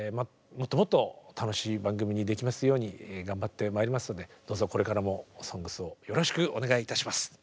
もっともっと楽しい番組にできますように頑張ってまいりますのでどうぞこれからも「ＳＯＮＧＳ」をよろしくお願いいたします。